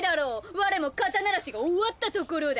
我も肩慣らしが終わったところだ！